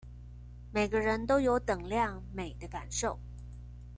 每個人都有等量美的感受